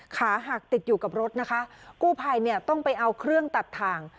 ขาหักติดอยู่กับรถนะคะกู้ภัยเนี่ยต้องไปเอาเครื่องตัดทาง